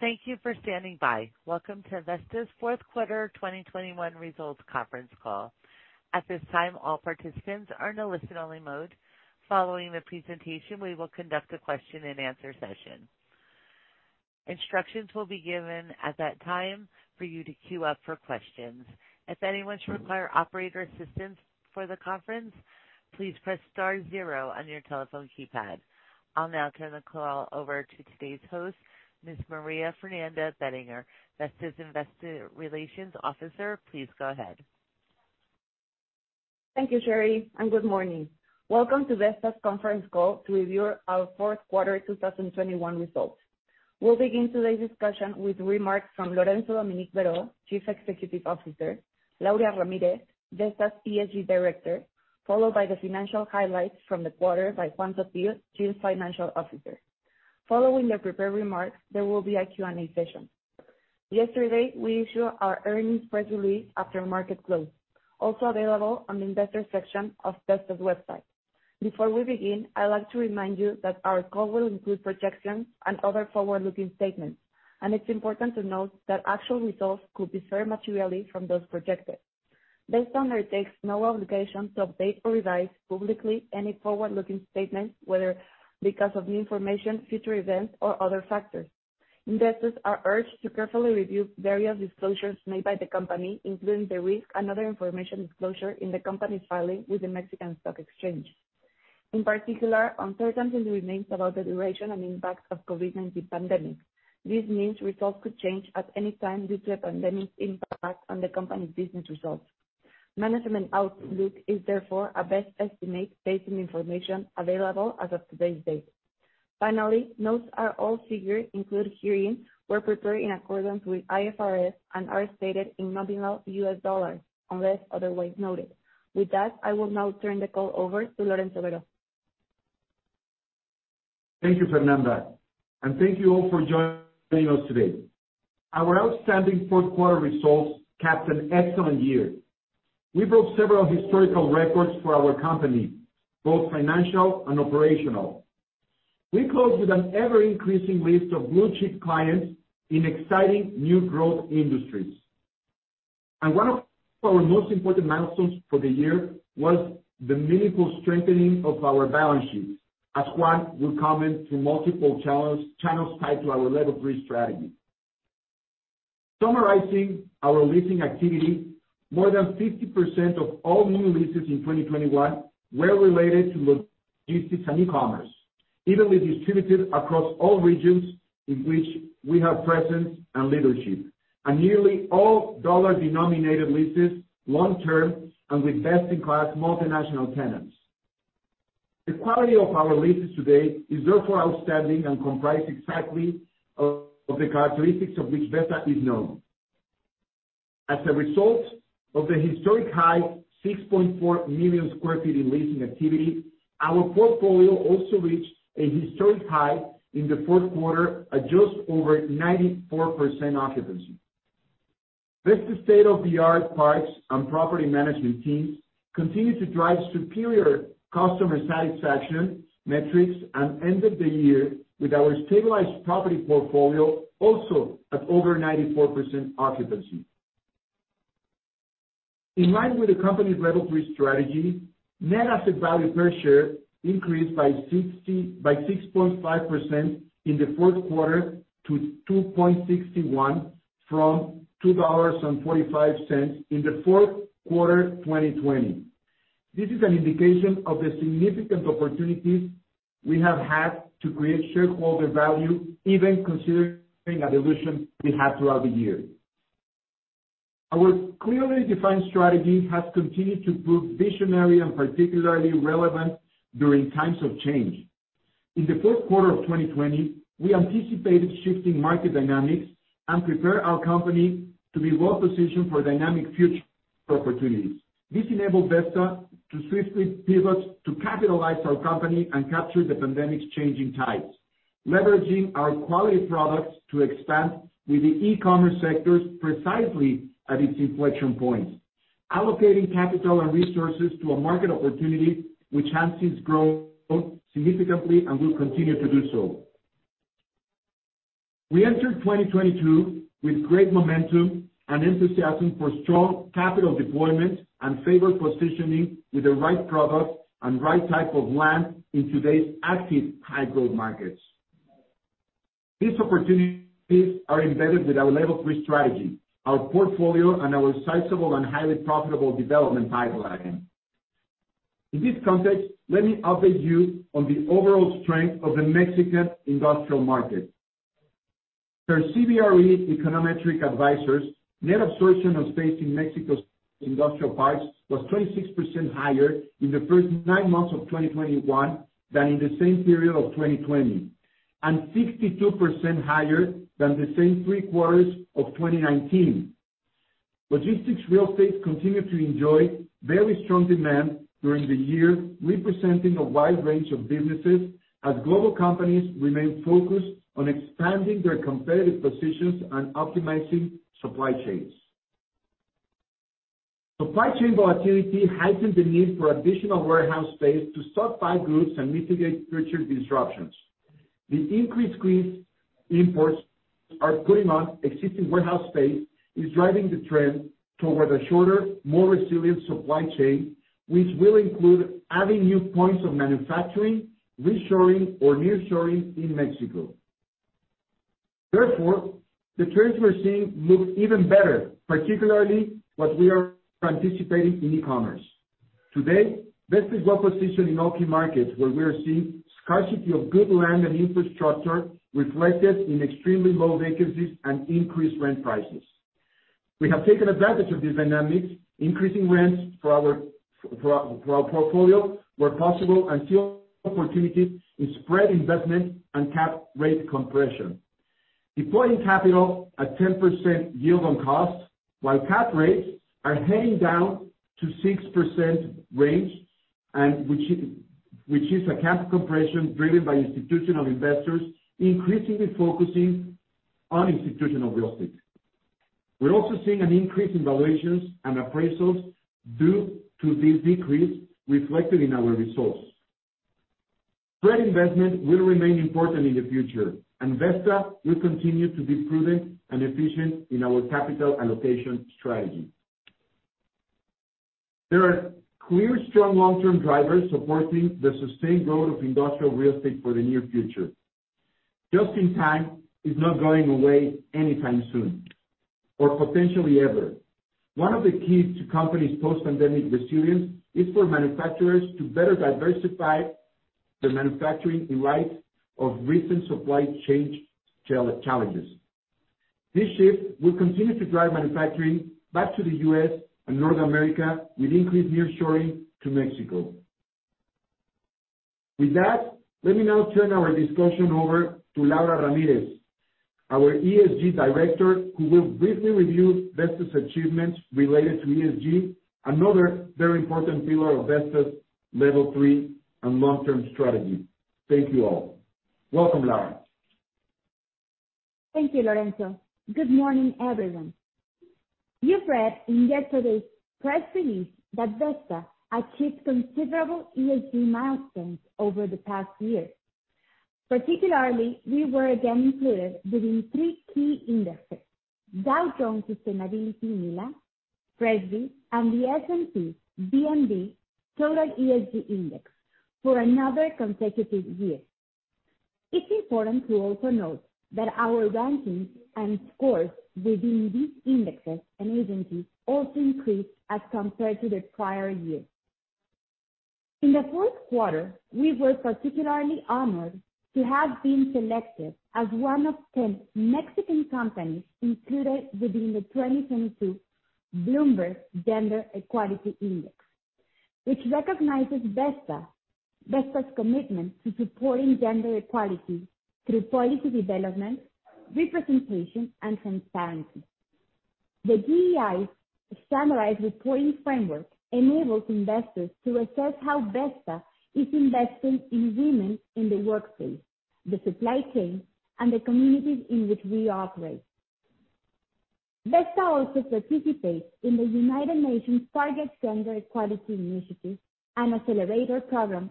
Thank you for standing by. Welcome to Vesta's Q4 2021 Results Conference Call. At this time, all participants are in a listen-only mode. Following the presentation, we will conduct a question-and-answer session. Instructions will be given at that time for you to queue up for questions. If anyone should require operator assistance for the conference, please press star zero on your telephone keypad. I'll now turn the call over to today's host, Ms. María Fernanda Bettinger, Vesta's Investor Relations Officer. Please go ahead. Thank you, Sherry, and good morning. Welcome to Vesta's conference call to review our Q4 2021 results. We'll begin today's discussion with remarks from Lorenzo Dominique Berho, Chief Executive Officer, Laura Elena Ramirez, Vesta's ESG Director, followed by the financial highlights from the quarter by Juan Sottil, Chief Financial Officer. Following the prepared remarks, there will be a Q&A session. Yesterday, we issued our earnings press release after market close, also available on the investor section of Vesta's website. Before we begin, I'd like to remind you that our call will include projections and other forward-looking statements, and it's important to note that actual results could differ very materially from those projected. Vesta undertakes no obligation to update or revise publicly any forward-looking statement, whether because of new information, future events or other factors. Investors are urged to carefully review various disclosures made by the company, including the risk and other information disclosure in the company's filing with the Mexican Stock Exchange. In particular, uncertainty remains about the duration and impact of COVID-19 pandemic. This means results could change at any time due to a pandemic impact on the company's business results. Management outlook is therefore our best estimate based on information available as of today's date. Finally, note that all figures included herein were prepared in accordance with IFRS and are stated in nominal US dollars unless otherwise noted. With that, I will now turn the call over to Lorenzo Berho. Thank you, Fernanda. Thank you all for joining us today. Our outstanding Q4 results capped an excellent year. We broke several historical records for our company, both financial and operational. We closed with an ever-increasing list of blue-chip clients in exciting new growth industries. One of our most important milestones for the year was the meaningful strengthening of our balance sheet, as Juan will comment through multiple channels tied to our Level 3 strategy. Summarizing our leasing activity, more than 50% of all new leases in 2021 were related to logistics and e-commerce, evenly distributed across all regions in which we have presence and leadership. Nearly all dollar-denominated leases, long-term, and with best-in-class multinational tenants. The quality of our leases today is therefore outstanding and comprise exactly of the characteristics of which Vesta is known. As a result of the historic high 6.4 million sq ft in leasing activity, our portfolio also reached a historic high in the Q4 at just over 94% occupancy. Vesta's state-of-the-art parks and property management teams continue to drive superior customer satisfaction metrics and ended the year with our stabilized property portfolio also at over 94% occupancy. In line with the company's Level 3 strategy, net asset value per share increased by 6.5% in the Q4 to $2.61 from $2.45 in the Q4 2020. This is an indication of the significant opportunities we have had to create shareholder value, even considering the dilution we had throughout the year. Our clearly defined strategy has continued to prove visionary and particularly relevant during times of change. In the Q4 of 2020, we anticipated shifting market dynamics and prepared our company to be well-positioned for dynamic future opportunities. This enabled Vesta to swiftly pivot to capitalize our company and capture the pandemic's changing tides, leveraging our quality products to expand with the e-commerce sectors precisely at its inflection point, allocating capital and resources to a market opportunity which has since grown significantly and will continue to do so. We enter 2022 with great momentum and enthusiasm for strong capital deployment and favored positioning with the right product and right type of land in today's active high-growth markets. These opportunities are embedded with our Level 3 strategy, our portfolio, and our sizable and highly profitable development pipeline. In this context, let me update you on the overall strength of the Mexican industrial market. Per CBRE Econometric Advisors, net absorption of space in Mexico's industrial parks was 26% higher in the first nine months of 2021 than in the same period of 2020, and 62% higher than the same three quarters of 2019. Logistics real estate continued to enjoy very strong demand during the year, representing a wide range of businesses as global companies remain focused on expanding their competitive positions and optimizing supply chains. Supply chain volatility heightened the need for additional warehouse space to stockpile goods and mitigate future disruptions. The increased goods imports are putting pressure on existing warehouse space, which is driving the trend toward a shorter, more resilient supply chain, which will include adding new points of manufacturing, reshoring, or nearshoring in Mexico. Therefore, the trends we're seeing look even better, particularly what we are anticipating in e-commerce. Today, Vesta is well-positioned in all key markets where we are seeing scarcity of good land and infrastructure reflected in extremely low vacancies and increased rent prices. We have taken advantage of these dynamics, increasing rents for our portfolio where possible, and see opportunities in spread investment and cap rate compression. Deploying capital at 10% yield on costs while cap rates are heading down to 6% range, which is a cap compression driven by institutional investors increasingly focusing on institutional real estate. We're also seeing an increase in valuations and appraisals due to this decrease reflected in our results. Spread investment will remain important in the future, and Vesta will continue to be prudent and efficient in our capital allocation strategy. There are clear, strong long-term drivers supporting the sustained growth of industrial real estate for the near future. Just-in-time is not going away anytime soon, or potentially ever. One of the keys to companies' post-pandemic resilience is for manufacturers to better diversify their manufacturing in light of recent supply chain challenges. This shift will continue to drive manufacturing back to the U.S. and North America, with increased nearshoring to Mexico. With that, let me now turn our discussion over to Laura Ramirez, our ESG Director, who will briefly review Vesta's achievements related to ESG, another very important pillar of Vesta's Level 3 and long-term strategy. Thank you all. Welcome, Laura. Thank you, Lorenzo. Good morning, everyone. You've read in yesterday's press release that Vesta achieved considerable ESG milestones over the past year. Particularly, we were again included within three key indexes, Dow Jones Sustainability MILA, MSCI, and the S&P/BMV Total Mexico ESG Index for another consecutive year. It's important to also note that our rankings and scores within these indexes and agencies also increased as compared to the prior year. In the Q4, we were particularly honored to have been selected as one of 10 Mexican companies included within the 2022 Bloomberg Gender-Equality Index, which recognizes Vesta's commitment to supporting gender equality through policy development, representation, and transparency. The GEI's summarized reporting framework enables investors to assess how Vesta is investing in women in the workplace, the supply chain, and the communities in which we operate. Vesta also participates in the United Nations Target Gender Equality Initiative and Accelerator program.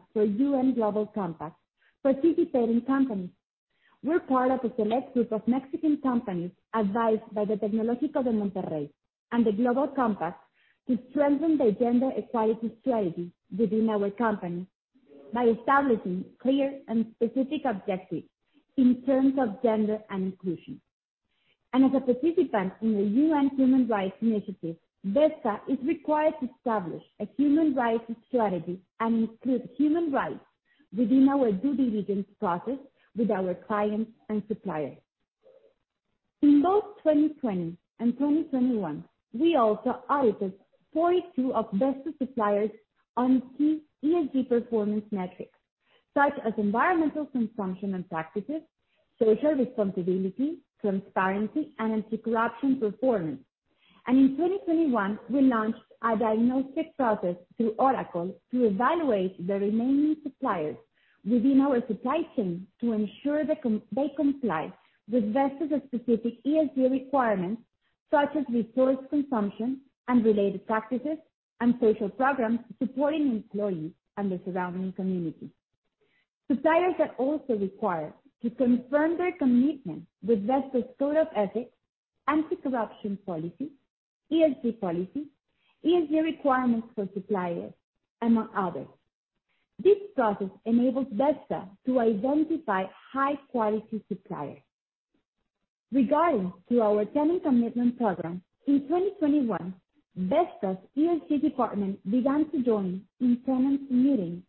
Participating companies were part of a select group of Mexican companies advised by the Tecnológico de Monterrey and the Global Compact to strengthen their gender equality strategy within our company by establishing clear and specific objectives in terms of gender and inclusion. As a participant in the UN Human Rights Initiative, Vesta is required to establish a human rights strategy and include human rights within our due diligence process with our clients and suppliers. In both 2020 and 2021, we also audited 42 of Vesta's suppliers on key ESG performance metrics, such as environmental consumption and practices, social responsibility, transparency, and anti-corruption performance. In 2021, we launched a diagnostic process through Oracle to evaluate the remaining suppliers within our supply chain to ensure they comply with Vesta's specific ESG requirements, such as resource consumption and related practices and social programs supporting employees and the surrounding community. Suppliers are also required to confirm their commitment with Vesta's code of ethics, anti-corruption policy, ESG policy, ESG requirements for suppliers, among others. This process enables Vesta to identify high-quality suppliers. Regarding our tenant commitment program, in 2021, Vesta's ESG department began to join in tenants meetings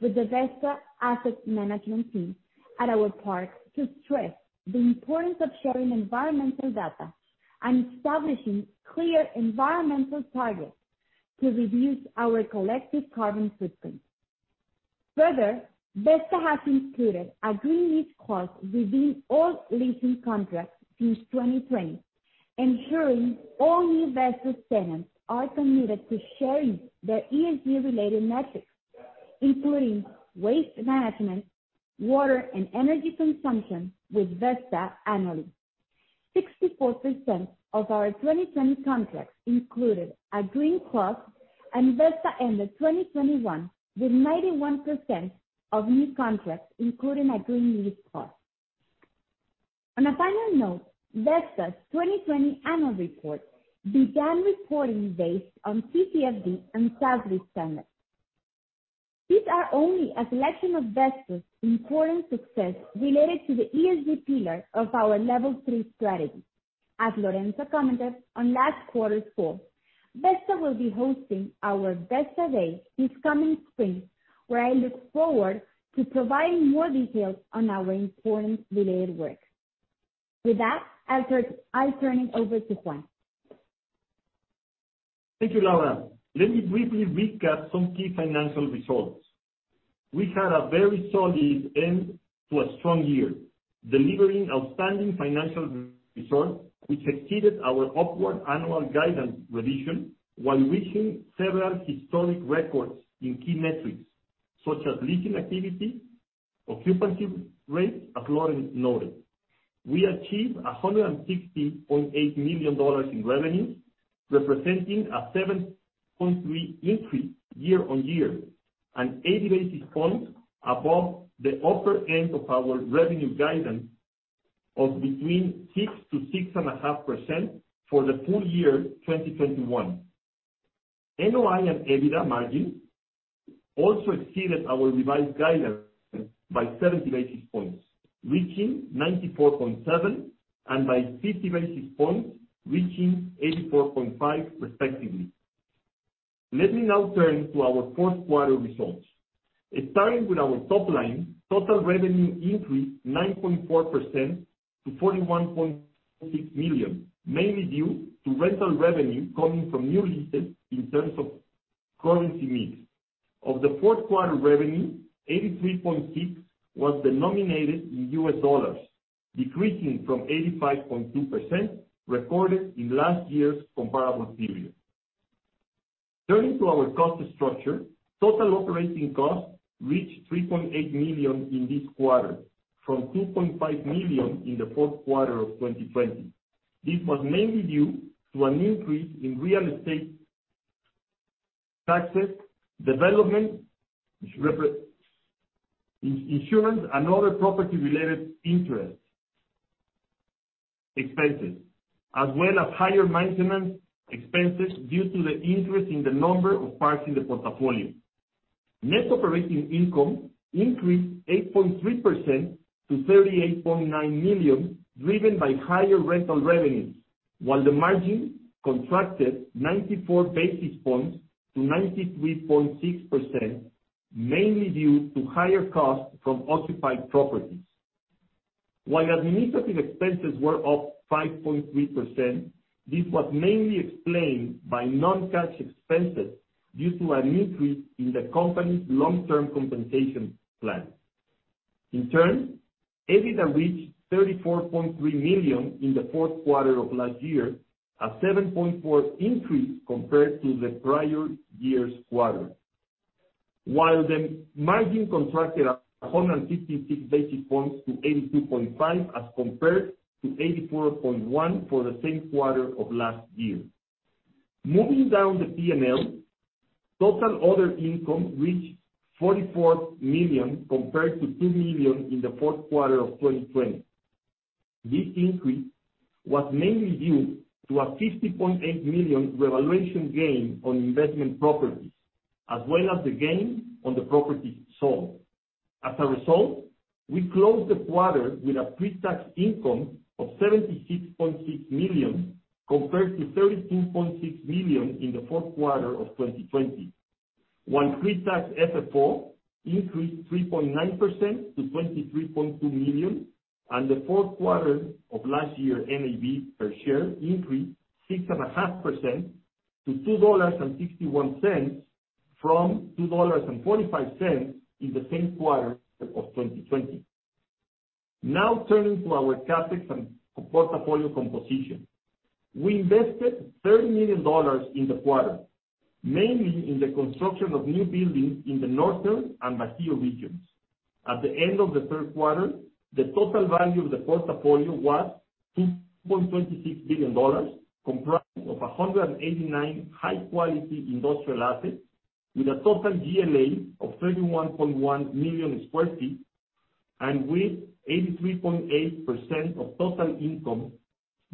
with the Vesta asset management team at our park to stress the importance of sharing environmental data and establishing clear environmental targets to reduce our collective carbon footprint. Further, Vesta has included a green lease clause within all leasing contracts since 2020, ensuring all new Vesta tenants are committed to sharing their ESG-related metrics, including waste management, water and energy consumption with Vesta annually. 64% of our 2010 contracts included a green clause, and Vesta ended 2021 with 91% of new contracts, including a green lease clause. On a final note, Vesta's 2020 annual report began reporting based on TCFD and SASB standards. These are only a selection of Vesta's important success related to the ESG pillar of our Level 3 strategy. As Lorenzo commented on last quarter's call, Vesta will be hosting our Vesta Day this coming spring, where I look forward to providing more details on our important related work. With that, I turn it over to Juan. Thank you, Laura. Let me briefly recap some key financial results. We had a very solid end to a strong year, delivering outstanding financial results which exceeded our upward annual guidance revision while reaching several historic records in key metrics, such as leasing activity, occupancy rates as Lorenzo noted. We achieved $168 million in revenue, representing a 7.3% increase year-over-year, and 80 basis points above the upper end of our revenue guidance of between 6%-6.5% for the full year 2021. NOI and EBITDA margin also exceeded our revised guidance by 70 basis points, reaching 94.7%, and by 50 basis points, reaching 84.5% respectively. Let me now turn to our Q4 results. Starting with our top line, total revenue increased 9.4% to $41.6 million, mainly due to rental revenue coming from new leases in terms of currency mix. Of the Q4 revenue, 83.6% was denominated in US dollars, decreasing from 85.2% recorded in last year's comparable period. Turning to our cost structure, total operating costs reached $3.8 million in this quarter from $2.5 million in the Q4 of 2020. This was mainly due to an increase in real estate taxes, development in insurance and other property-related interest expenses, as well as higher maintenance expenses due to the increase in the number of parks in the portfolio. Net operating income increased 8.3% to $38.9 million, driven by higher rental revenues, while the margin contracted 94 basis points to 93.6%, mainly due to higher costs from occupied properties. Administrative expenses were up 5.3%, this was mainly explained by non-cash expenses due to an increase in the company's long-term compensation plan. In turn, EBITDA reached $34.3 million in the Q4 of last year, a 7.4% increase compared to the prior year's quarter. The margin contracted 156 basis points to 82.5% as compared to 84.1% for the same quarter of last year. Moving down the P&L, total other income reached $44 million compared to $2 million in the Q4 of 2020. This increase was mainly due to a $50.8 million revaluation gain on investment properties, as well as the gain on the property sold. As a result, we closed the quarter with a pre-tax income of $76.6 million, compared to $13.6 million in the Q4 of 2020. While pre-tax FFO increased 3.9% to $23.2 million, and in the Q4 of last year NAV per share increased 6.5% to $2.61 from $2.45 in the same quarter of 2020. Now turning to our CapEx and portfolio composition. We invested $30 million in the quarter, mainly in the construction of new buildings in the Northern and Bajío regions. At the end of the Q3, the total value of the portfolio was $2.26 billion, comprised of 189 high quality industrial assets with a total GLA of 31.1 million sq ft and with 83.8% of total income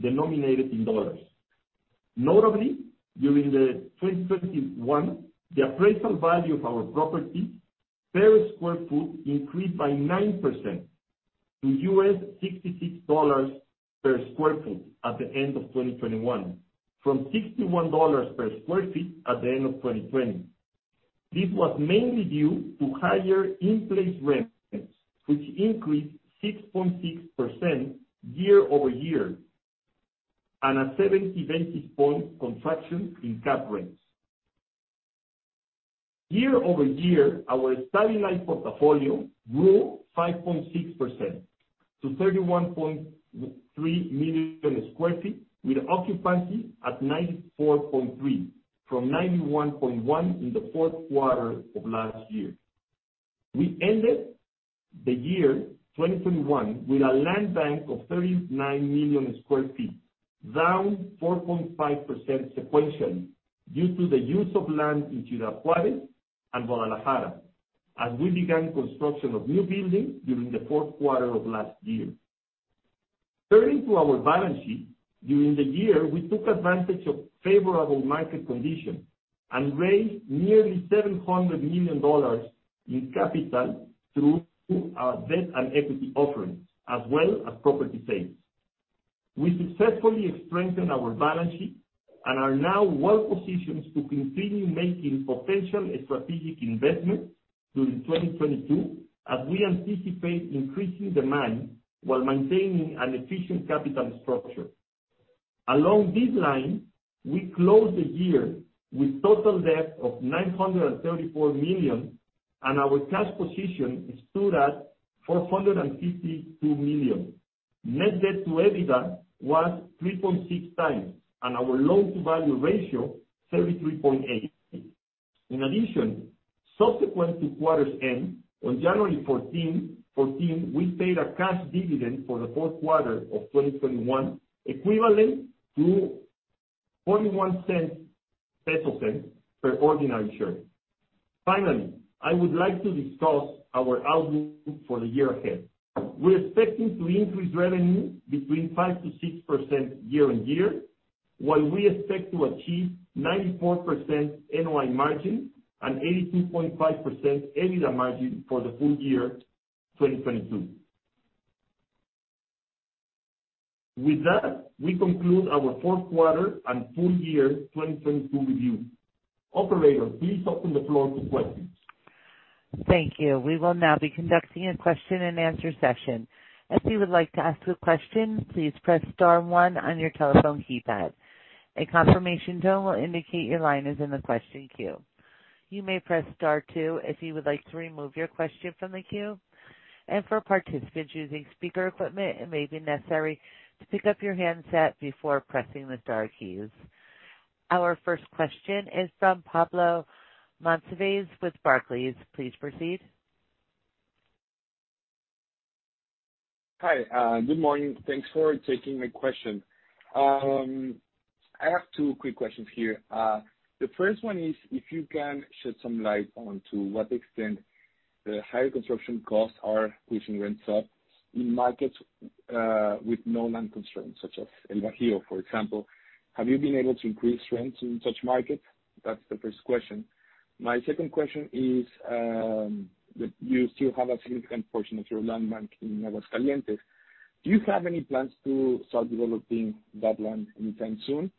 denominated in dollars. Notably, during 2021, the appraisal value of our property per square foot increased by 9% to $66 per sq ft at the end of 2021 from $61 per sq ft at the end of 2020. This was mainly due to higher in-place rents, which increased 6.6% year-over-year and a 70 basis point contraction in cap rates. Year-over-year, our stable lease portfolio grew 5.6% to 31.3 million sq ft, with occupancy at 94.3% from 91.1% in the Q4 of last year. We ended the year 2021 with a land bank of 39 million sq ft, down 4.5% sequentially due to the use of land in Ciudad Juárez and Guadalajara, as we began construction of new buildings during the Q4 of last year. Turning to our balance sheet, during the year, we took advantage of favorable market conditions and raised nearly $700 million in capital through our debt and equity offerings, as well as property sales. We successfully strengthened our balance sheet and are now well-positioned to continue making potential and strategic investments during 2022 as we anticipate increasing demand while maintaining an efficient capital structure. Along this line, we closed the year with total debt of $934 million, and our cash position stood at $452 million. Net debt to EBITDA was 3.6x, and our loan-to-value ratio 33.8%. In addition, subsequent to quarter's end, on January 14, we paid a cash dividend for the Q4 of 2021, equivalent to 0.1 per ordinary share. Finally, I would like to discuss our outlook for the year ahead. We're expecting to increase revenue between 5%-6% year-on-year, while we expect to achieve 94% NOI margin and 82.5% EBITDA margin for the full year 2022. With that, we conclude our Q4 and full year 2022 review. Operator, please open the floor to questions. Thank you. We will now be conducting a question-and-answer session. If you would like to ask a question, please press star one on your telephone keypad. A confirmation tone will indicate your line is in the question queue. You may press star two if you would like to remove your question from the queue. For participants using speaker equipment, it may be necessary to pick up your handset before pressing the star keys. Our first question is from Pablo Monsivais with Barclays. Please proceed. Hi. Good morning. Thanks for taking my question. I have two quick questions here. The first one is if you can shed some light onto what extent the higher construction costs are pushing rents up in markets, with no land constraints, such as in Bajío, for example. Have you been able to increase rents in such markets? That's the first question. My second question is, that you still have a significant portion of your land bank in Aguascalientes. Do you have any plans to start developing that land anytime soon?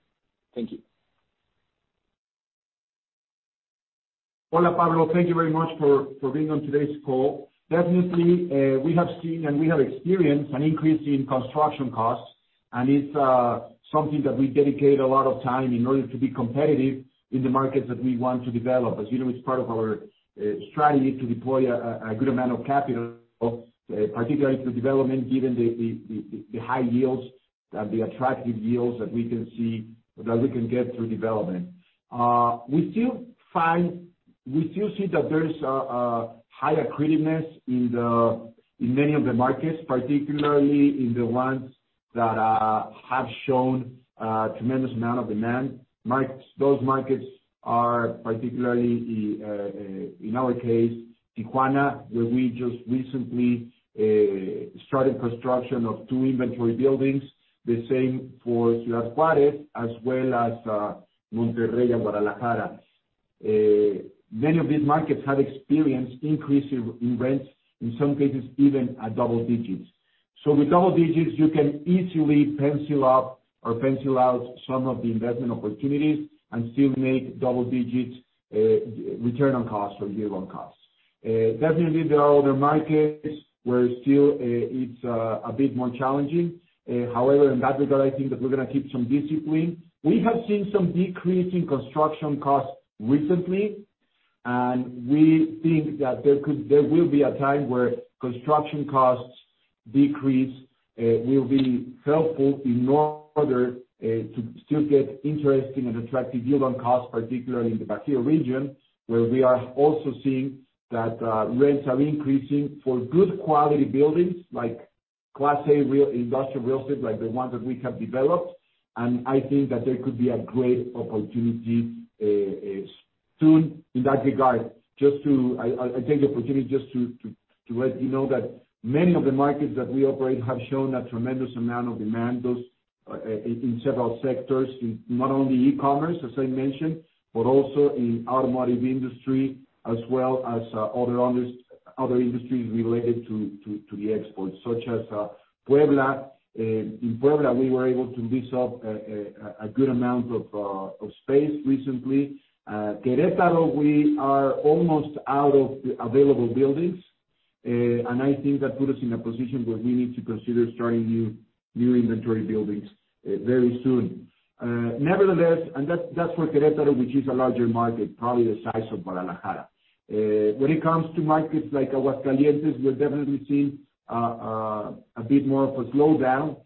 Thank you. Hola, Pablo. Thank you very much for being on today's call. Definitely, we have seen and we have experienced an increase in construction costs, and it's something that we dedicate a lot of time in order to be competitive in the markets that we want to develop. As you know, it's part of our strategy to deploy a good amount of capital, particularly to development, given the high yields, the attractive yields that we can see or that we can get through development. We still see that there is a high accretiveness in many of the markets, particularly in the ones that have shown a tremendous amount of demand. Those markets are particularly in our case, Tijuana, where we just recently started construction of two inventory buildings. The same for Ciudad Juárez, as well as Monterrey and Guadalajara. Many of these markets have experienced increase in rents, in some cases, even at double digits. So with double digits, you can easily pencil up or pencil out some of the investment opportunities and still make double digits, return on costs or yield on costs. Definitely, there are other markets where still it's a bit more challenging. However, in that regard, I think that we're gonna keep some discipline. We have seen some decrease in construction costs recently, and we think that there will be a time where construction costs decrease will be helpful in order to still get interesting and attractive yield on costs, particularly in the Bajío region, where we are also seeing that rents are increasing for good quality buildings like Class A industrial real estate, like the ones that we have developed. I think that there could be a great opportunity soon in that regard. Just to, I take the opportunity just to let you know that many of the markets that we operate have shown a tremendous amount of demand, those in several sectors, in not only e-commerce, as I mentioned, but also in automotive industry, as well as other industries related to the exports, such as Puebla. In Puebla, we were able to lease up a good amount of space recently. Querétaro, we are almost out of available buildings. I think that puts us in a position where we need to consider starting new inventory buildings very soon. Nevertheless, that's for Querétaro, which is a larger market, probably the size of Guadalajara. When it comes to markets like Aguascalientes, we're definitely seeing a bit more of a slowdown.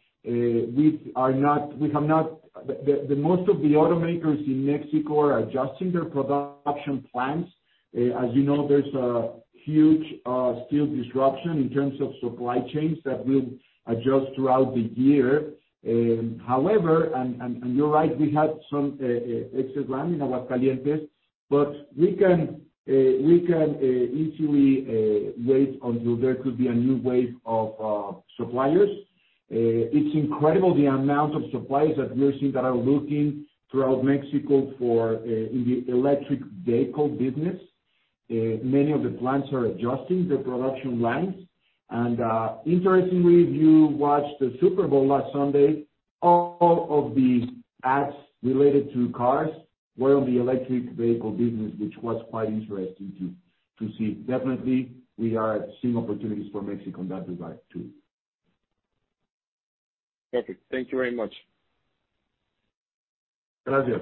Most of the automakers in Mexico are adjusting their production plans. As you know, there's still a huge disruption in terms of supply chains that will adjust throughout the year. However, you're right, we have some excess land in Aguascalientes, but we can easily wait until there could be a new wave of suppliers. It's incredible the amount of suppliers that we're seeing that are looking throughout Mexico for in the electric vehicle business. Many of the plants are adjusting their production lines. Interestingly, if you watched the Super Bowl last Sunday, all of the ads related to cars were on the electric vehicle business, which was quite interesting to see. Definitely, we are seeing opportunities for Mexico in that regard too. Perfect. Thank you very much. Gracias.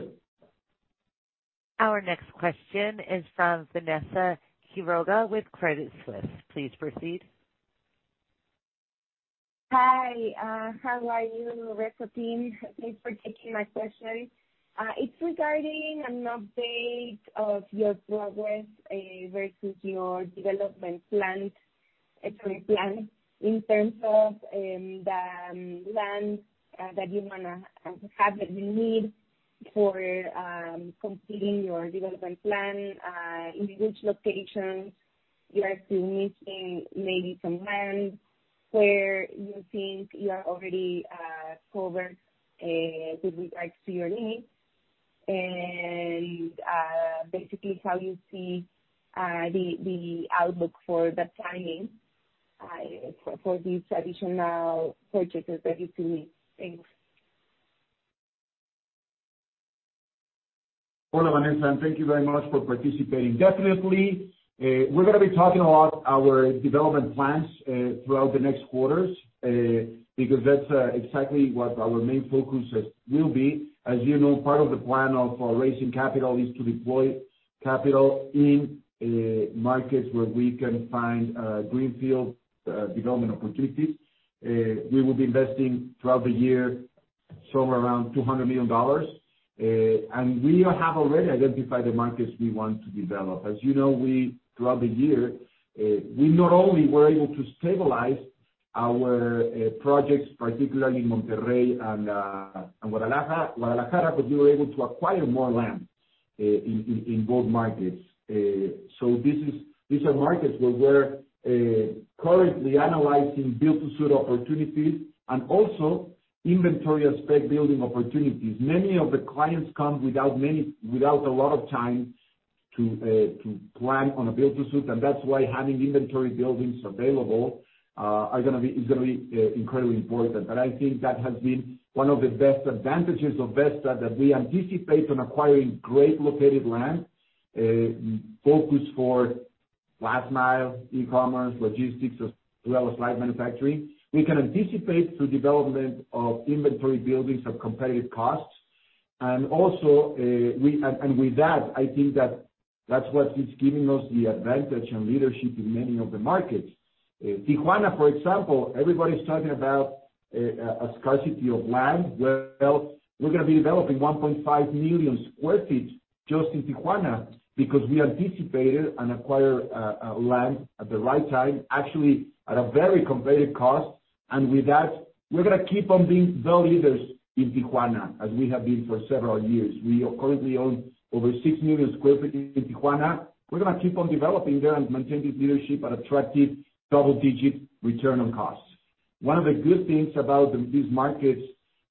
Our next question is from Vanessa Quiroga with Credit Suisse. Please proceed. Hi. How are you, Vesta team? Thanks for taking my question. It's regarding an update of your progress versus your development plan in terms of the land that you wanna have and you need for completing your development plan in which locations you are still missing maybe some land, where you think you are already covered with regards to your needs. Basically, how you see the outlook for the timing for these additional purchases that you still need. Thanks. Hola, Vanessa, and thank you very much for participating. Definitely, we're gonna be talking about our development plans throughout the next quarters because that's exactly what our main focuses will be. As you know, part of the plan of raising capital is to deploy capital in markets where we can find greenfield development opportunities. We will be investing throughout the year somewhere around $200 million. We have already identified the markets we want to develop. As you know, we throughout the year we not only were able to stabilize our projects, particularly in Monterrey and Guadalajara, but we were able to acquire more land in both markets. These are markets where we're currently analyzing build-to-suit opportunities and also inventory and spec building opportunities. Many of the clients come without a lot of time to plan on a build-to-suit, and that's why having inventory buildings available is gonna be incredibly important. I think that has been one of the best advantages of Vesta, that we anticipate on acquiring great located land focused for last mile e-commerce, logistics, as well as light manufacturing. We can anticipate the development of inventory buildings of competitive costs. With that, I think that that's what is giving us the advantage and leadership in many of the markets. Tijuana, for example, everybody's talking about a scarcity of land. Well, we're gonna be developing 1.5 million sq ft just in Tijuana because we anticipated and acquired land at the right time, actually at a very competitive cost. With that, we're gonna keep on being build leaders in Tijuana, as we have been for several years. We currently own over 6 million sq ft in Tijuana. We're gonna keep on developing there and maintain this leadership at attractive double-digit return on costs. One of the good things about these markets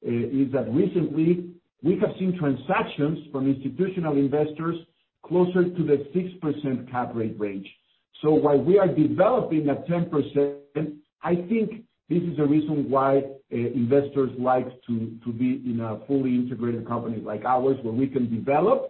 is that recently we have seen transactions from institutional investors closer to the 6% cap rate range. While we are developing at 10%, I think this is the reason why investors like to be in a fully integrated company like ours, where we can develop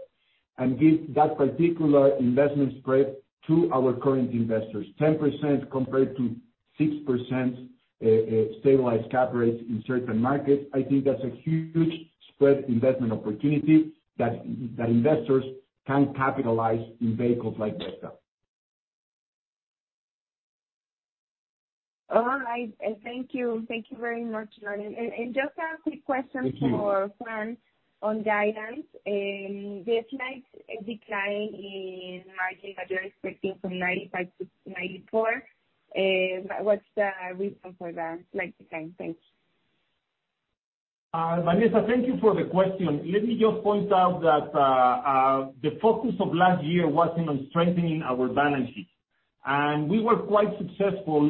and give that particular investment spread to our current investors. 10% compared to 6% stabilized cap rates in certain markets, I think that's a huge spread investment opportunity that investors can capitalize in vehicles like Vesta. All right. Thank you. Thank you very much, Lorenzo. Just a quick question for Juan on guidance. The slight decline in margin that you're expecting from 95% to 94%, what's the reason for that slight decline? Thanks. Vanessa, thank you for the question. Let me just point out that the focus of last year was on strengthening our balance sheet. We were quite successful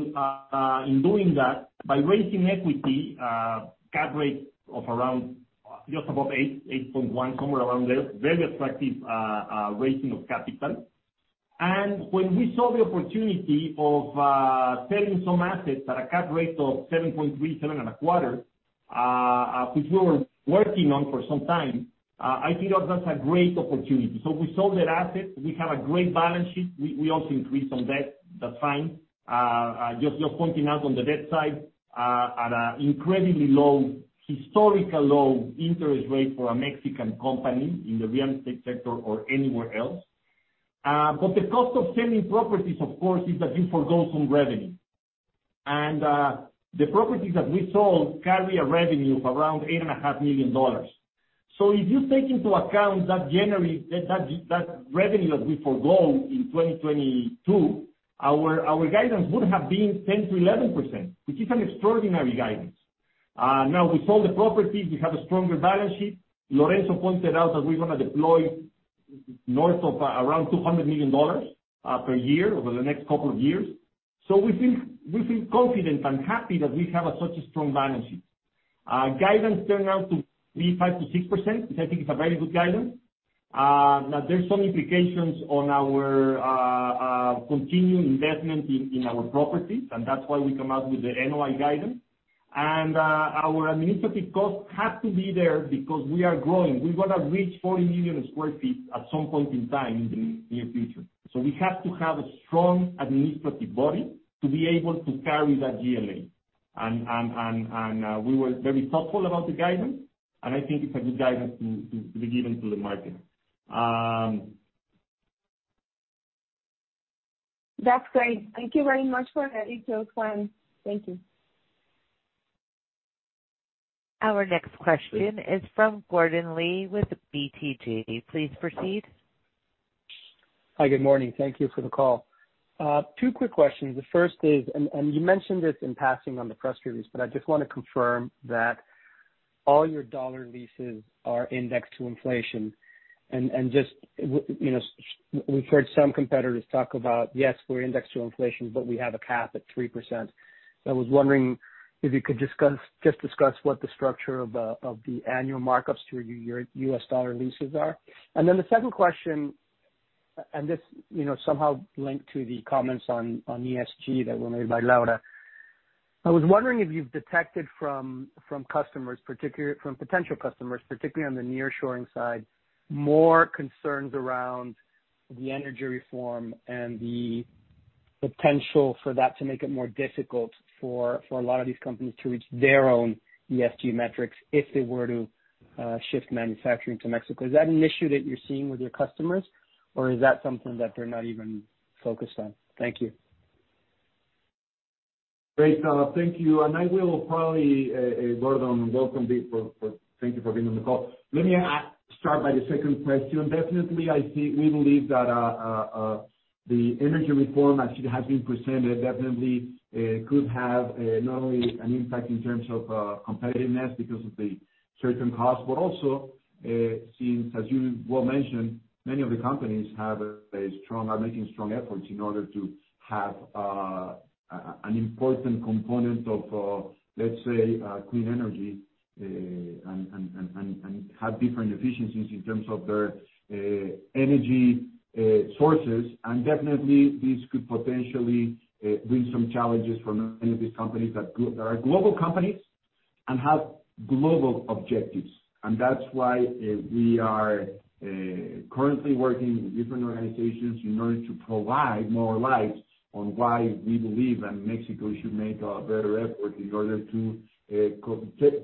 in doing that by raising equity, cap rate of around just above 8.1, somewhere around there, very attractive raising of capital. When we saw the opportunity of selling some assets at a cap rate of 7.3, 7.25, which we were working on for some time, I think that that's a great opportunity. We sold that asset. We have a great balance sheet. We also increased on debt, that's fine. Just pointing out on the debt side at an incredibly low, historical low interest rate for a Mexican company in the real estate sector or anywhere else. But the cost of selling properties, of course, is that you forgo some revenue. The properties that we sold carry a revenue of around $8.5 million. If you take into account that January, that revenue that we forgo in 2022, our guidance would have been 10%-11%, which is an extraordinary guidance. Now we sold the properties. We have a stronger balance sheet. Lorenzo pointed out that we're gonna deploy north of around $200 million per year over the next couple of years. We feel confident and happy that we have such a strong balance sheet. Guidance turned out to be 5%-6%, which I think is a very good guidance. Now there's some implications on our continuing investment in our properties, and that's why we come out with the NOI guidance. Our administrative costs have to be there because we are growing. We're gonna reach 40 million sq ft at some point in time in the near future. We have to have a strong administrative body to be able to carry that GLA. We were very thoughtful about the guidance, and I think it's a good guidance to be given to the market. That's great. Thank you very much for that detailed plan. Thank you. Our next question is from Gordon Lee with BTG. Please proceed. Hi, good morning. Thank you for the call. Two quick questions. The first is, you mentioned this in passing on the press release, but I just wanna confirm that all your dollar leases are indexed to inflation. Just you know, we've heard some competitors talk about, yes, we're indexed to inflation, but we have a cap at 3%. I was wondering if you could discuss what the structure of the annual markups to your US dollar leases are. Then the second question, this you know, somehow linked to the comments on ESG that were made by Laura. I was wondering if you've detected from potential customers, particularly on the nearshoring side, more concerns around the energy reform and the potential for that to make it more difficult for a lot of these companies to reach their own ESG metrics if they were to shift manufacturing to Mexico. Is that an issue that you're seeing with your customers, or is that something that they're not even focused on? Thank you. Great. Thank you. I will probably, Gordon, thank you for being on the call. Let me start by the second question. Definitely, I see, we believe that the energy reform actually has been presented definitely, could have not only an impact in terms of competitiveness because of the certain costs, but also, since as you well mentioned, many of the companies are making strong efforts in order to have an important component of, let's say, clean energy, and have different efficiencies in terms of their energy sources. Definitely, this could potentially bring some challenges for many of these companies that are global companies and have global objectives. That's why we are currently working with different organizations in order to provide more light on why we believe that Mexico should make a better effort in order to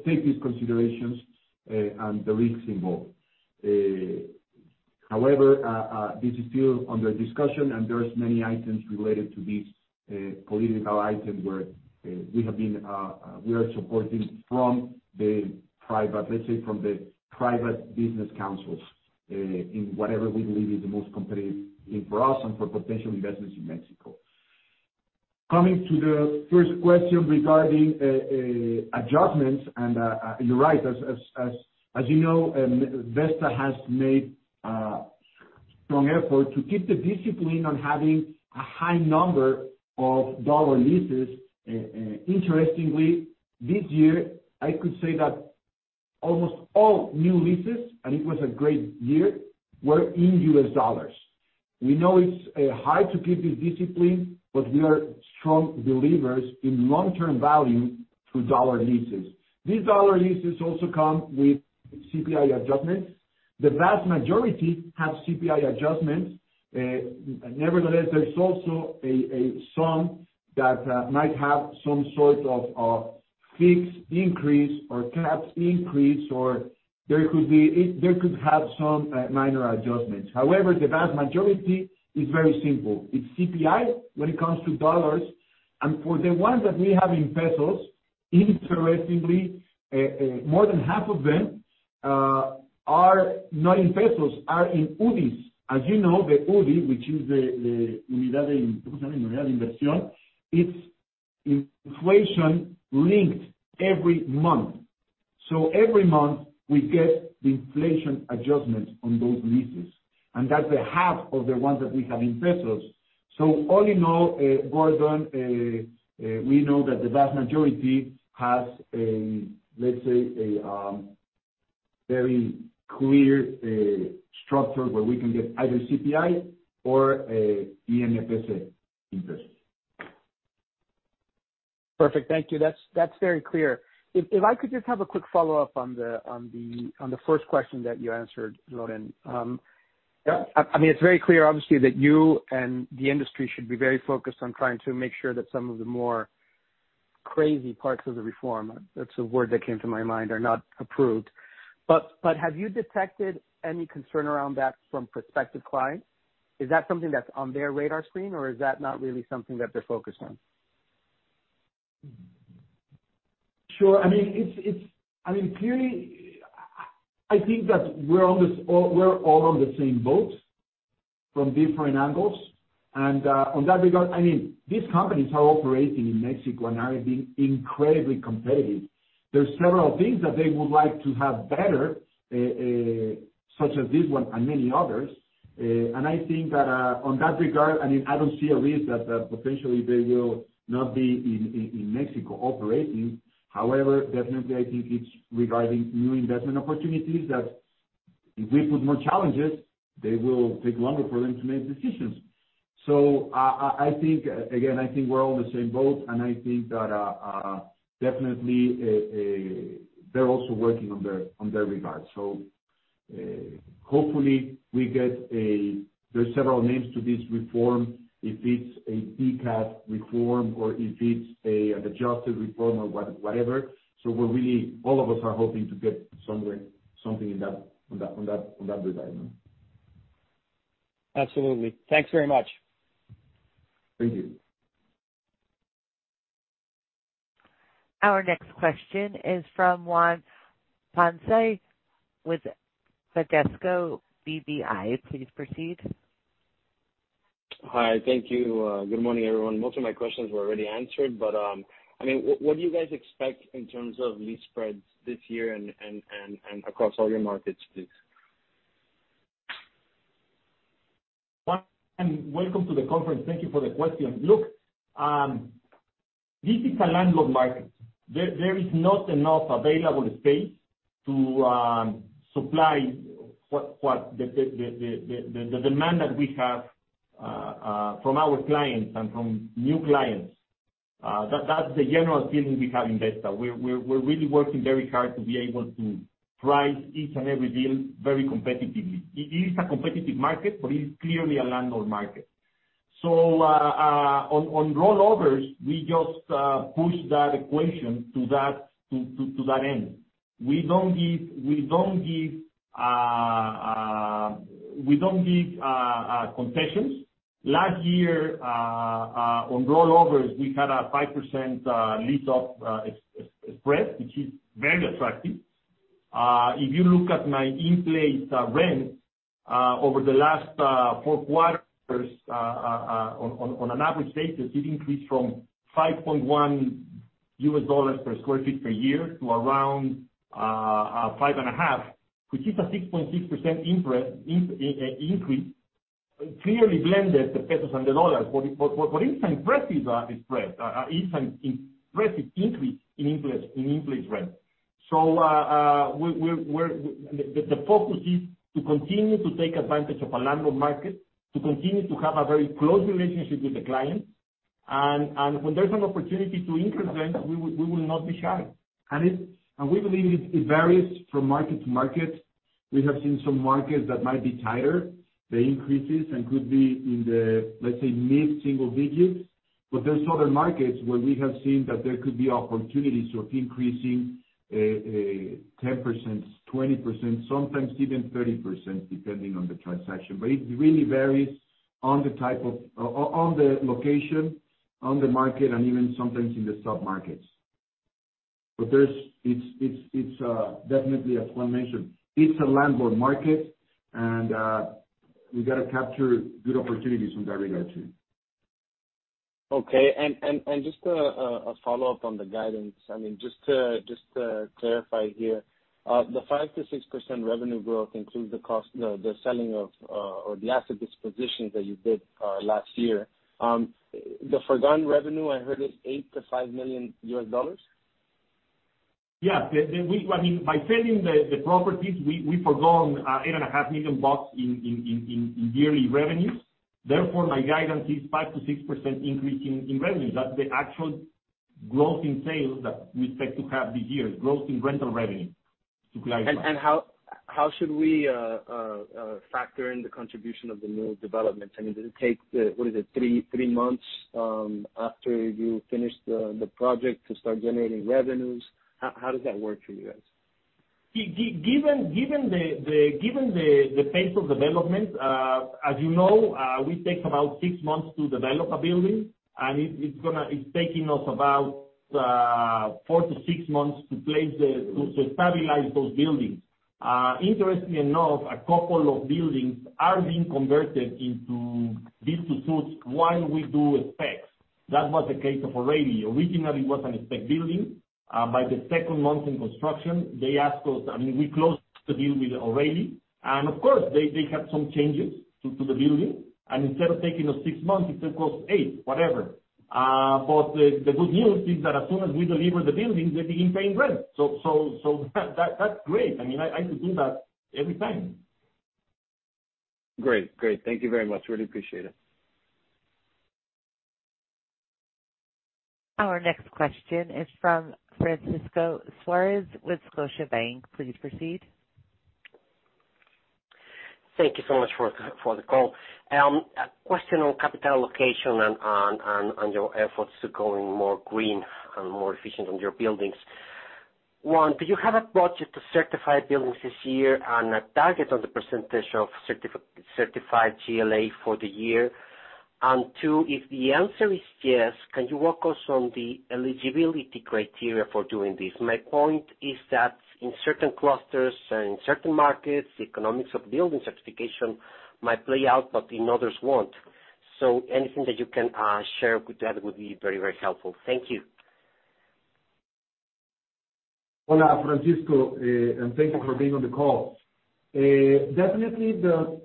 take these considerations and the risks involved. However, this is still under discussion, and there's many items related to this political item where we are supporting from the private, let's say from the private business councils in whatever we believe is the most competitive for us and for potential investments in Mexico. Coming to the first question regarding adjustments, and you're right, as you know, Vesta has made strong effort to keep the discipline on having a high number of dollar leases. Interestingly, this year, I could say that almost all new leases, and it was a great year, were in US dollars. We know it's hard to keep this discipline, but we are strong believers in long-term value through dollar leases. These dollar leases also come with CPI adjustments. The vast majority have CPI adjustments. Nevertheless, there's also some that might have some sort of fixed increase or capped increase, or there could be some minor adjustments. However, the vast majority is very simple. It's CPI when it comes to dollars, and for the ones that we have in pesos, interestingly, more than half of them are not in pesos, are in UDIs. As you know, the UDI, which is the Unidad de Inversíon, it's inflation linked every month. Every month, we get the inflation adjustment on those leases. That's the half of the ones that we have in pesos. All in all, Gordon, we know that the vast majority has a, let's say, a very clear structure where we can get either CPI or a TIIE interest. Perfect. Thank you. That's very clear. If I could just have a quick follow-up on the first question that you answered, Lorenzo. Yeah. I mean, it's very clear obviously that you and the industry should be very focused on trying to make sure that some of the more crazy parts of the reform, that's the word that came to my mind, are not approved. Have you detected any concern around that from prospective clients? Is that something that's on their radar screen, or is that not really something that they're focused on? Sure. I mean, clearly I think that we're all on the same boat from different angles. In that regard, I mean, these companies are operating in Mexico and are being incredibly competitive. There are several things that they would like to have better, such as this one and many others. I think that in that regard, I mean, I don't see a risk that potentially they will not be in Mexico operating. However, definitely I think it's regarding new investment opportunities that if we put more challenges, they will take longer for them to make decisions. I think again we're all on the same boat, and I think that definitely they're also working in their regard. Hopefully we get a, there are several names to this reform. If it's a PCAT reform, or if it's an adjusted reform or whatever. We're really, all of us are hoping to get something in that, on that design. Absolutely. Thanks very much. Thank you. Our next question is from Juan Ponce with Bradesco BBI. Please proceed. Hi. Thank you. Good morning, everyone. Most of my questions were already answered, but I mean, what do you guys expect in terms of lease spreads this year and across all your markets, please? Juan, and welcome to the conference. Thank you for the question. Look, this is a landlord market. There is not enough available space to supply what the demand that we have from our clients and from new clients. That's the general feeling we have in Vesta. We're really working very hard to be able to price each and every deal very competitively. It is a competitive market, but it's clearly a landlord market. On rollovers, we just push that equation to that end. We don't give concessions. Last year on rollovers, we had a 5% lease-up increase, which is very attractive. If you look at my in-place rent over the last four quarters on an average basis, it increased from $5.1 per sq ft per year to around $5.5, which is a 6.6% increase, clearly blended the pesos and the dollars. It's an impressive spread. It's an impressive increase in in-place rent. The focus is to continue to take advantage of a landlord market, to continue to have a very close relationship with the client, and when there's an opportunity to increase rent, we will not be shy. We believe it varies from market to market. We have seen some markets that might be tighter, the increases, and could be in the, let's say, mid-single digits. There's other markets where we have seen that there could be opportunities of increasing 10%, 20%, sometimes even 30%, depending on the transaction. It really varies on the location, on the market, and even sometimes in the sub-markets. It's definitely as Juan mentioned, it's a landlord market, and we gotta capture good opportunities in that regard too. Just a follow-up on the guidance. I mean, just to clarify here, the 5%-6% revenue growth includes the cost, the selling of, or the asset dispositions that you did last year. The foregone revenue, I heard, is $5 million-$8 million? I mean, by selling the properties, we've foregone $8.5 million in yearly revenues. Therefore, my guidance is 5%-6% increase in revenue. That's the actual growth in sales that we expect to have this year, growth in rental revenue to clarify. How should we factor in the contribution of the new development? I mean, does it take three months after you finish the project to start generating revenues? How does that work for you guys? Given the pace of development, as you know, we take about six months to develop a building, and it's taking us about four to six months to stabilize those buildings. Interestingly enough, a couple of buildings are being converted into build-to-suits while we do specs. That was the case of Oredi. Originally, it was a spec building. By the second month in construction, they asked us. I mean, we closed the deal with Oredi. Of course, they had some changes to the building. Instead of taking us six months, it took us eight, whatever. The good news is that as soon as we deliver the buildings, they begin paying rent. That's great. I mean, I could do that every time. Great. Great. Thank you very much. Really appreciate it. Our next question is from Francisco Suarez with Scotiabank. Please proceed. Thank you so much for the call. A question on capital allocation and your efforts to going more green and more efficient on your buildings. One, do you have a budget to certify buildings this year and a target on the percentage of certified GLA for the year? Two, if the answer is yes, can you walk us through the eligibility criteria for doing this? My point is that in certain clusters and in certain markets, the economics of building certification might play out, but in others won't. Anything that you can share with that would be very, very helpful. Thank you. Hola, Francisco, and thank you for being on the call. Definitely the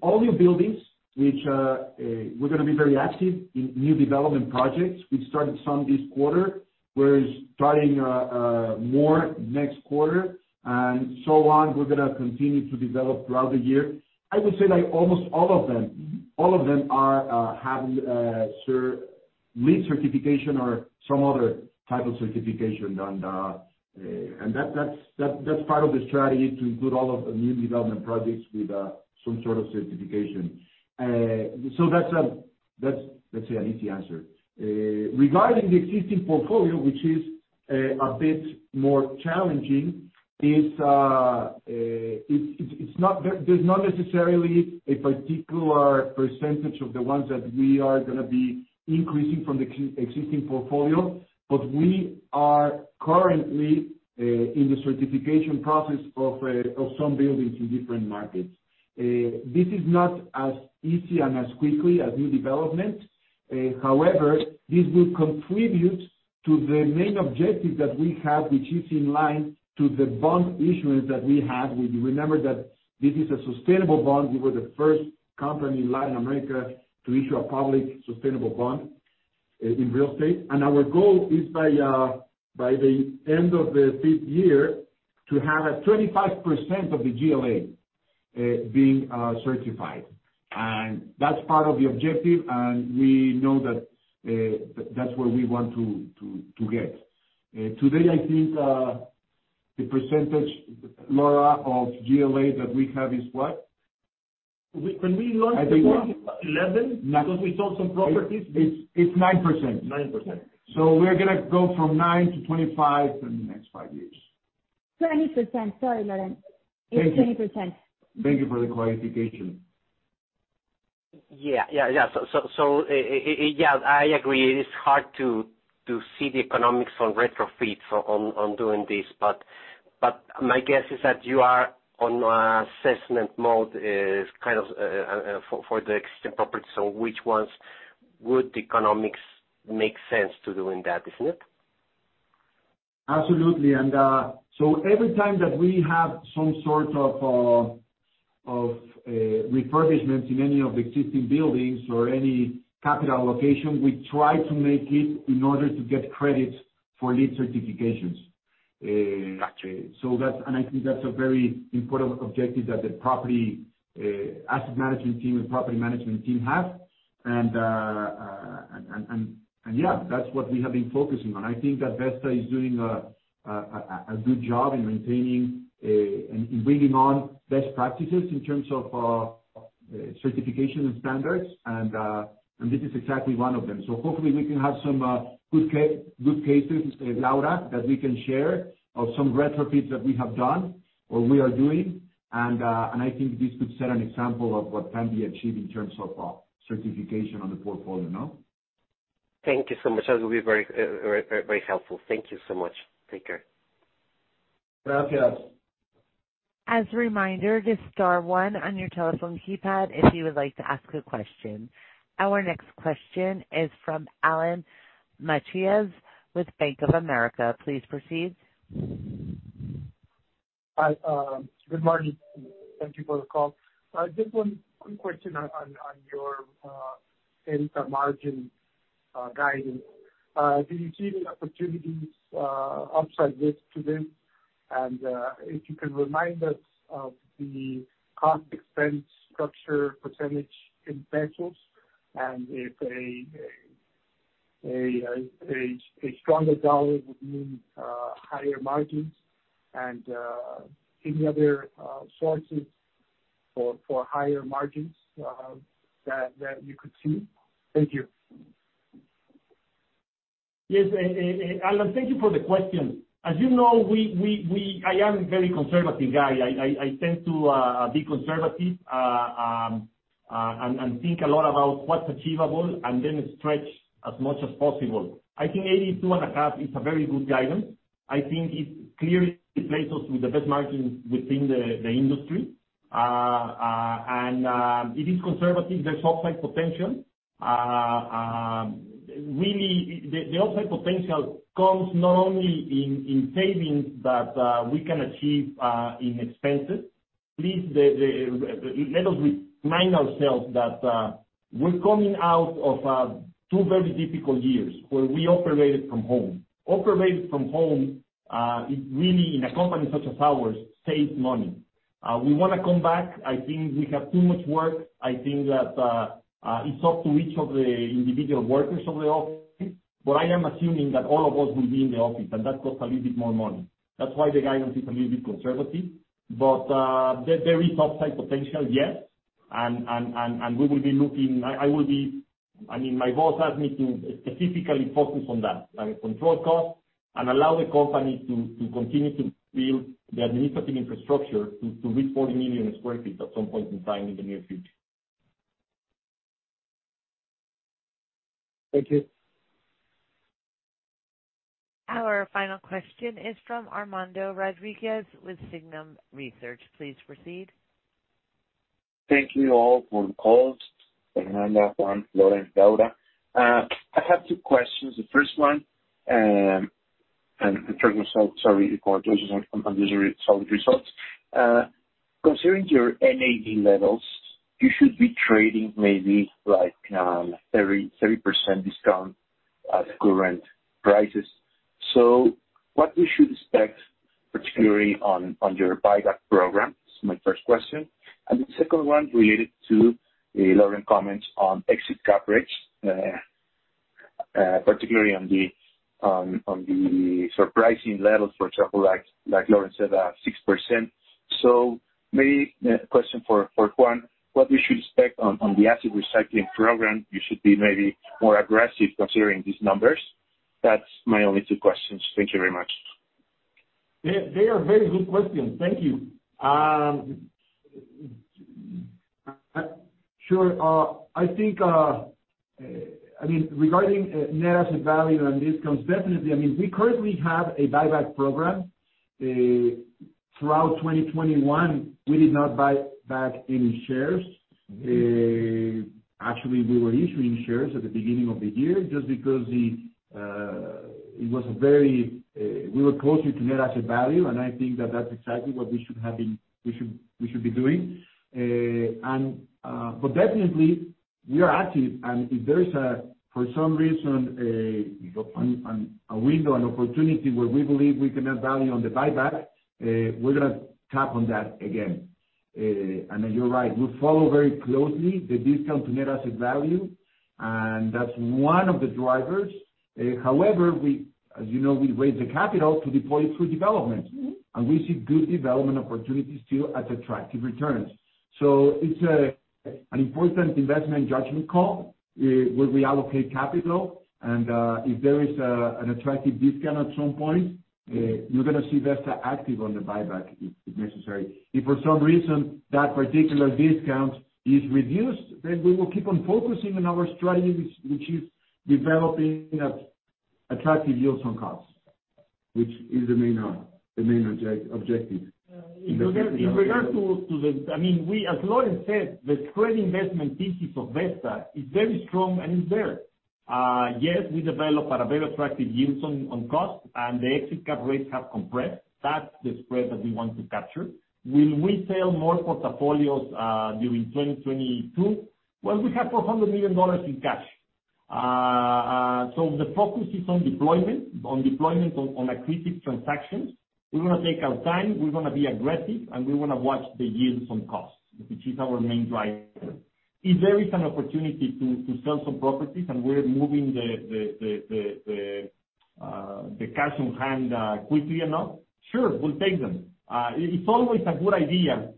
all new buildings, which we're gonna be very active in new development projects. We've started some this quarter. We're starting more next quarter, and so on, we're gonna continue to develop throughout the year. I would say like almost all of them have LEED certification or some other type of certification. That's part of the strategy to include all of the new development projects with some sort of certification. So that's, let's say, an easy answer. Regarding the existing portfolio, which is a bit more challenging, it's not necessarily a particular percentage of the ones that we are gonna be increasing from the existing portfolio. We are currently in the certification process of some buildings in different markets. This is not as easy and as quickly as new development. However, this will contribute to the main objective that we have, which is in line to the bond issuance that we have. If you remember that this is a sustainable bond. We were the first company in Latin America to issue a public sustainable bond in real estate. Our goal is by the end of the fifth year to have 25% of the GLA being certified. That's part of the objective, and we know that's where we want to get. Today I think the percentage, Laura, of GLA that we have is what? When we launched the bond, I think, 11. 9. Because we sold some properties. It's 9%. So we're gonna go from 9% to 25 in the next five years. 20%. Sorry, Lorenzo. It's 20%. Thank you for the clarification. Yeah, I agree. It is hard to see the economics on retrofit for doing this. My guess is that you are in an assessment mode, kind of, for the existing properties on which ones would the economics make sense to do that, isn't it? Absolutely. Every time that we have some sort of refurbishment in any of the existing buildings or any capital allocation, we try to make it in order to get credits for LEED certifications. Got you. I think that's a very important objective that the property asset management team and property management team have. That's what we have been focusing on. I think that Vesta is doing a good job in maintaining and in bringing on best practices in terms of certification and standards, and this is exactly one of them. Hopefully we can have some good cases, Laura, that we can share of some retrofits that we have done or we are doing. I think this could set an example of what can be achieved in terms of certification on the portfolio, no? Thank you so much. That would be very helpful. Thank you so much. Take care. Gracias. As a reminder, just star one on your telephone keypad if you would like to ask a question. Our next question is from Alan Macías with Bank of America. Please proceed. Hi, good morning. Thank you for the call. Just one question on your EBITDA margin guidance. Do you see any opportunities, upside risk to this? If you can remind us of the cost expense structure percentage in rentals, and if a stronger dollar would mean higher margins and any other sources for higher margins that you could see? Thank you. Yes. Alan Macías, thank you for the question. As you know, I am very conservative guy. I tend to be conservative and think a lot about what's achievable and then stretch as much as possible. I think 82.5% is a very good guidance. I think it clearly places us with the best margins within the industry. It is conservative. There's upside potential. Really, the upside potential comes not only in savings that we can achieve in expenses. Please let us remind ourselves that we're coming out of two very difficult years where we operated from home. Operating from home is really, in a company such as ours, saves money. We wanna come back. I think we have too much work. I think that it's up to each of the individual workers of the office, but I am assuming that all of us will be in the office, and that costs a little bit more money. That's why the guidance is a little bit conservative. There is upside potential, yes, and we will be looking. I mean, my boss asked me to specifically focus on that. I mean, control costs and allow the company to continue to build the administrative infrastructure to reach 40 million sq ft at some point in time in the near future. Thank you. Our final question is from Armando Rodriguez with Signum Research. Please proceed. Thank you all for the calls, Fernanda, Juan, Lorenzo, Laura. I have two questions. The first one, sorry, congratulations on these solid results. Considering your NAV levels, you should be trading maybe like 30% discount at current prices. What should we expect, particularly on your buyback program? That's my first question. The second one related to Lorenzo's comments on exit cap rates, particularly on the surprising levels, for example, like Lorenzo said, 6%. Maybe question for Juan, what should we expect on the asset recycling program? You should be maybe more aggressive considering these numbers. That's my only two questions. Thank you very much. They are very good questions. Thank you. Sure. I think I mean, regarding net asset value and discounts, definitely. I mean, we currently have a buyback program. Throughout 2021, we did not buy back any shares. Actually, we were issuing shares at the beginning of the year just because we were closer to net asset value, and I think that's exactly what we should be doing. Definitely we are active, and if there is for some reason a window, an opportunity where we believe we can add value on the buyback, we're gonna tap into that again. I mean, you're right. We follow very closely the discount to net asset value, and that's one of the drivers. However, as you know, we raised the capital to deploy it through development. We see good development opportunities too at attractive returns. It's an important investment judgment call where we allocate capital. If there is an attractive discount at some point, you're gonna see Vesta active on the buyback if necessary. If for some reason that particular discount is reduced, then we will keep on focusing on our strategy which is developing at attractive yields on costs, which is the main objective. In regard to the I mean, we as Lorenzo said, the spread investment thesis of Vesta is very strong and it's there. Yes, we develop at very attractive yields on cost, and the exit cap rates have compressed. That's the spread that we want to capture. Will we sell more portfolios during 2022? Well, we have $400 million in cash. So the focus is on deployment, on accretive transactions. We wanna take our time, we wanna be aggressive, and we wanna watch the yields on costs, which is our main driver. If there is an opportunity to sell some properties and we're moving the cash on hand quickly enough, sure, we'll take them. It's always a good idea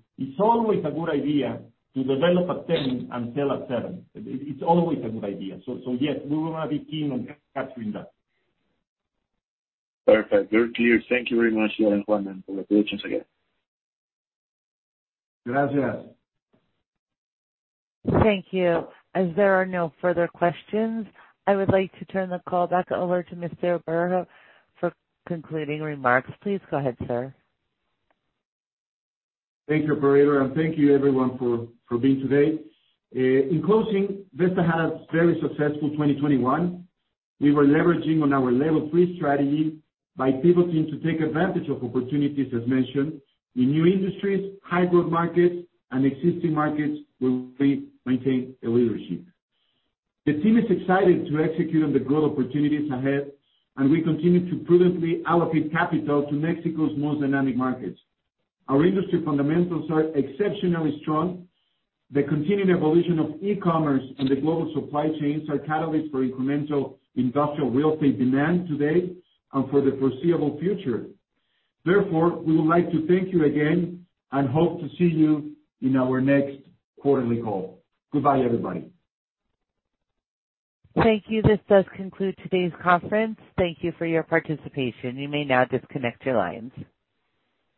to develop at 10% and sell at 7%. It's always a good idea. So yes, we wanna be keen on capturing that. Perfect. Very clear. Thank you very much, Lorenzo, Juan, and congratulations again. Gracias. Thank you. As there are no further questions, I would like to turn the call back over to Mr. Berho for concluding remarks. Please go ahead, sir. Thank you, operator, and thank you everyone for being today. In closing, Vesta had a very successful 2021. We were leveraging on our Level 3 strategy by pivoting to take advantage of opportunities, as mentioned, in new industries, high-growth markets, and existing markets where we maintain a leadership. The team is excited to execute on the growth opportunities ahead, and we continue to prudently allocate capital to Mexico's most dynamic markets. Our industry fundamentals are exceptionally strong. The continuing evolution of e-commerce and the global supply chains are catalysts for incremental industrial real estate demand today and for the foreseeable future. Therefore, we would like to thank you again and hope to see you in our next quarterly call. Goodbye, everybody. Thank you. This does conclude today's conference. Thank you for your participation. You may now disconnect your lines.